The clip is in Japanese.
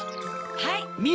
はい。